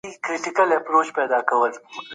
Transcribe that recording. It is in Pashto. سوداګرو د پخوا راهیسې دلته ښه کار کړی دی.